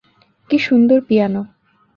কি সুন্দর পিয়ানো!